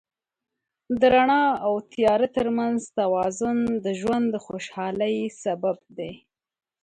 د رڼا او تیاره تر منځ توازن د ژوند د خوشحالۍ سبب دی.